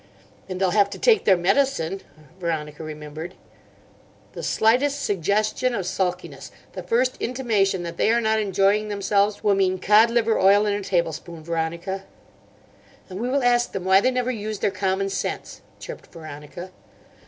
"And they'll have to take their medicine," Veronica remembered. "The slightest suggestion of sulkiness, the first intimation that they are not enjoying themselves, will mean cod liver oil in a tablespoon, Veronica." "And we will ask them why they never use their commonsense," chirped Veronica.